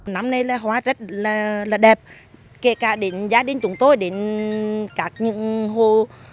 năm nay là hoa rất là đẹp kể cả đến gia đình chúng tôi đến các những hồ